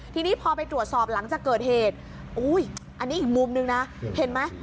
ทีนี้พอไปตรวจสอบหลังจากเกิดเหตุอุ้ยอันนี้อีกมุมนึงนะเห็นไหม